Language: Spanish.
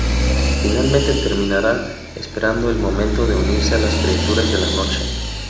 Finalmente terminará esperando el momento de unirse a las criaturas de la noche.